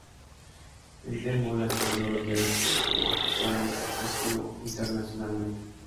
Endemol aseguró los derechos del formato para el espectáculo internacionalmente.